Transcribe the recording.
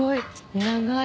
長い！